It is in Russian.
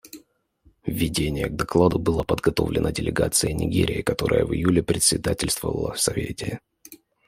Введение к докладу было подготовлено делегацией Нигерии, которая в июле председательствовала в Совете.